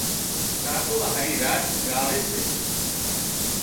ڪاڪو هارِي راچ ڳاوي سي